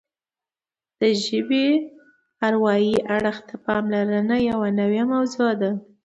د ژبې اروايي اړخ ته پاملرنه یوه نوې موضوع ده